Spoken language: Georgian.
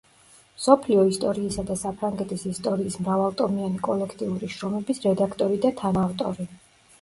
მსოფლიო ისტორიისა და საფრანგეთის ისტორიის მრავალტომიანი კოლექტიური შრომების რედაქტორი და თანაავტორი.